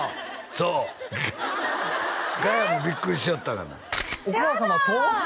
そうガヤもビックリしよったがなお母様と？